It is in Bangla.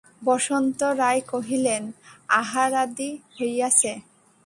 বসন্ত রায় কহিলেন, আহারাদি হইয়াছে?